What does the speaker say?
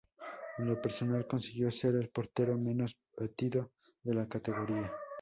En lo personal, consiguió ser el portero menos batido de la categoría.